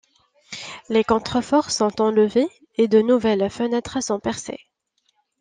Les contreforts sont enlevés et de nouvelles fenêtres sont percées.